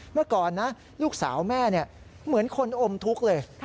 เมื่อก่อนนะลูกสาวแม่เหมือนคนอมทุกข์เลย